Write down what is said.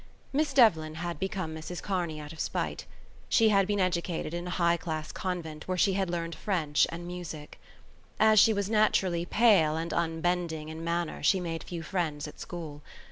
Miss Devlin had become Mrs Kearney out of spite. She had been educated in a high class convent, where she had learned French and music. As she was naturally pale and unbending in manner she made few friends at school.